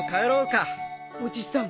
おじさん